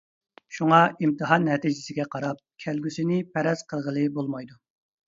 شۇڭا ئىمتىھان نەتىجىسىگە قاراپ كەلگۈسىنى پەرەز قىلغىلى بولمايدۇ.